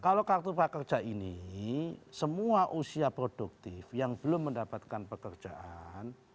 kalau kartu prakerja ini semua usia produktif yang belum mendapatkan pekerjaan